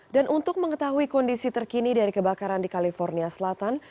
dan untuk mengetahui kondisi terkini dari kebakaran di kalifornia selatan